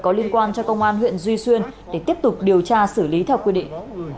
có liên quan cho công an huyện duy xuyên để tiếp tục điều tra xử lý theo quy định